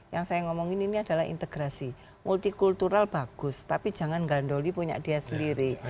yang saya ngomongin ini adalah integrasi multikultural bagus tapi jangan gandoli punya dia sendiri